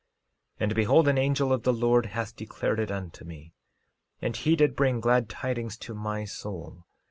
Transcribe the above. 13:7 And behold, an angel of the Lord hath declared it unto me, and he did bring glad tidings to my soul.